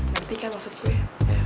terti kan maksud gue